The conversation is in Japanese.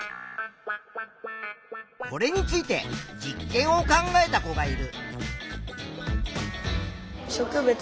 これについて実験を考えた子がいる。